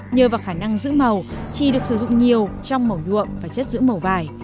nhờ vào khả năng giữ màu trì được sử dụng nhiều trong màu nhuộm và chất giữ màu vải